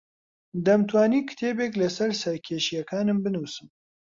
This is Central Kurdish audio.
دەمتوانی کتێبێک لەسەر سەرکێشییەکانم بنووسم.